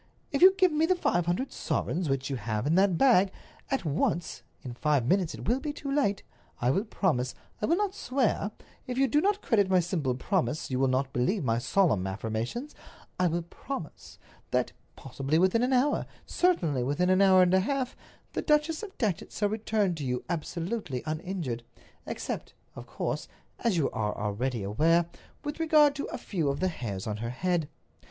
If you give me the five hundred sovereigns, which you have in that bag, at once—in five minutes it will be too late—I will promise—I will not swear; if you do not credit my simple promise, you will not believe my solemn affirmation—I will promise that, possibly within an hour, certainly within an hour and a half, the Duchess of Datchet shall return to you absolutely uninjured—except, of course, as you are already aware, with regard to a few of the hairs of her head.